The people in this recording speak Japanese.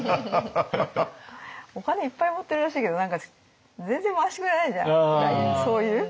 「お金いっぱい持ってるらしいけど何か全然回してくれないじゃん」みたいにそういう？